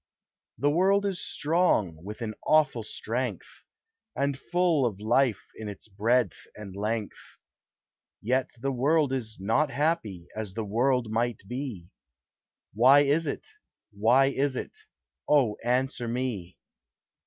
The world is strong, with an awful strength, And full of life in its breadth and length; Yet the world is not happy, as the world might be, Why is it? why is it? Oh, answer me!